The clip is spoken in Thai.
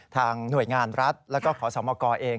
ทางหน่วยงานรัฐและขอสามารกอล์เอง